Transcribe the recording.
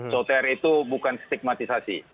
soter itu bukan stigmatisasi